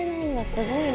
すごいな。